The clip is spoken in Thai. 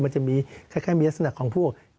มันจะแค่มีลักษณะของพวก